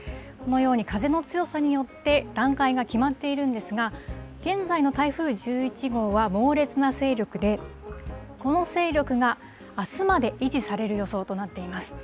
このように、風の強さによって段階が決まっているんですが、現在の台風１１号は猛烈な勢力で、この勢力があすまで維持される予想となっています。